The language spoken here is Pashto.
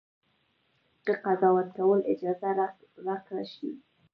که قضاوت کولو اجازه راکړه شي.